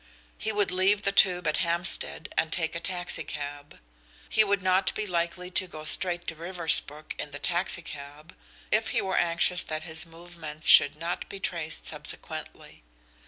He would leave the Tube at Hampstead and take a taxi cab. He would not be likely to go straight to Riversbrook in the taxi cab, if he were anxious that his movements should not be traced subsequently.